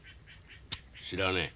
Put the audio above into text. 知らねえ。